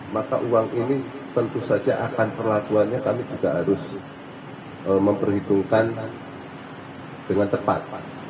maka uang ini tentu saja akan perlakuannya kami juga harus memperhitungkan dengan tepat